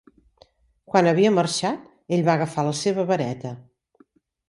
Quan havia marxat, ell va agafar la seva vareta.